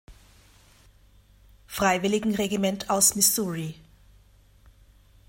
Freiwilligenregiment aus Missouri.